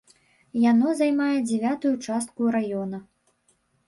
Яно займае дзявятую частку раёна!